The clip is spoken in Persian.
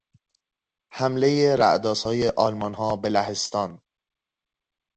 حملهی رعدآسای آلمانها به لهستان